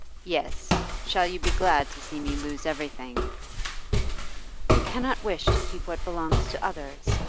'Yes; shall you be glad to see me lose everything?' 'You cannot wish to keep what belongs to others.